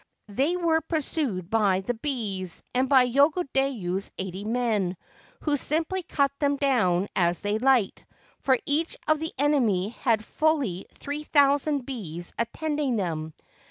They were pursued by the bees, and by Yogodayu's eighty men, who simply cut them down as they liked, for each of the enemy had fully 3000 bees attending him.